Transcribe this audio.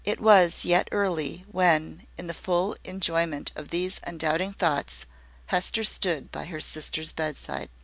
It was yet early, when, in the full enjoyment of these undoubting thoughts, Hester stood by her sister's bedside.